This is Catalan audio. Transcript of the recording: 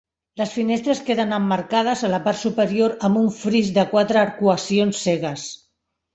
Les finestres queden emmarcades a la part superior amb un fris de quatre arcuacions cegues.